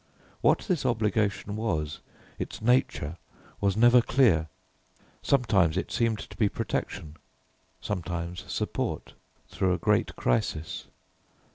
What this obligation was, its nature, was never clear; sometimes it seemed to be protection, sometimes support, through a great crisis.